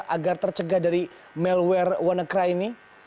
agar tercegah dari malware wannacry ini